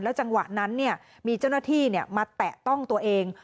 จังหวะนั้นมีเจ้าหน้าที่มาแตะต้องตัวเอง